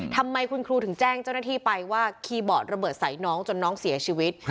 ทำไมคุณครูถึงแจ้งเจ้าหน้าที่ไปว่าคีย์บอร์ดระเบิดใส่น้องจนน้องเสียชีวิต